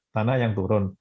tanah yang turun